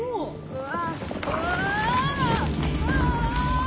うわ！